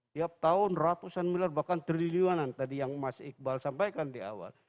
tiap tahun ratusan miliar bahkan triliunan tadi yang mas iqbal sampaikan di awal